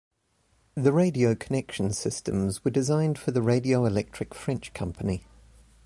The radio connection systems were designed for the Radioelectric French Company.